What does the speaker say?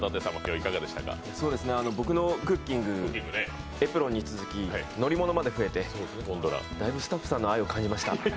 僕のクッキング、エプロンに続き乗り物まで増えてだいぶ、スタッフさんの愛を感じました。